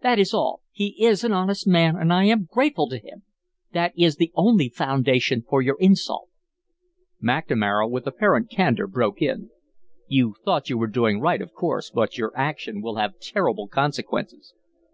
That is all. He is an honest man, and I am grateful to him. That is the only foundation for your insult." McNamara, with apparent candor, broke in: "You thought you were doing right, of course, but your action will have terrible consequences.